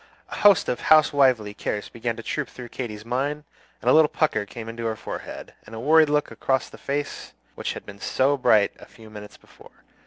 A host of housewifely cares began to troop through Katy's mind, and a little pucker came into her forehead, and a worried look across the face which had been so bright a few minutes before.